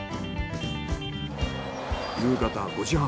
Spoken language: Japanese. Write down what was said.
夕方５時半。